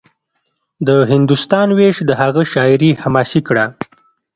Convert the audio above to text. د هندوستان وېش د هغه شاعري حماسي کړه